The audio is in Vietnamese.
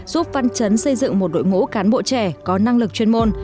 giúp văn trấn xây dựng một đội ngũ cán bộ trẻ có năng lực chuyên môn